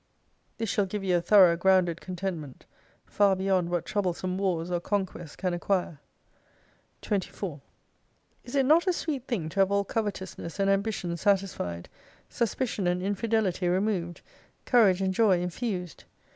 This shall give you a thorough grounded con tentment, far beyond what troublesome wars or conquests can acquire. 24 Is it not a sweet thing to have all covetousness and ambition satisfied, suspicion and infidelity removed, courage and joy infused